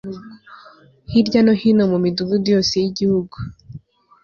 hirya no hino mu Midugudu yose y Igihugu